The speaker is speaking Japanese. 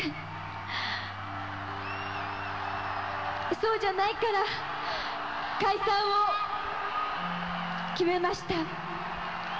そうじゃないから解散を決めました。